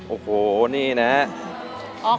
โอ้โหนี่นะครับ